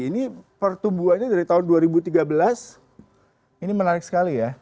ini pertumbuhannya dari tahun dua ribu tiga belas ini menarik sekali ya